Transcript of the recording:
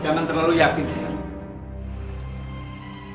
jangan terlalu yakin kisah